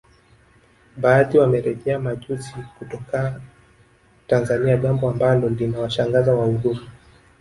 Baadhi wamerejea majuzi kutoka Tanzania jambo ambalo linawashangaza wahudumu